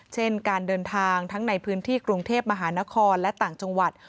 เช่นการเดินทางทั้งในพื้นที่กรุงเทพมหานครและต่างจังหวัด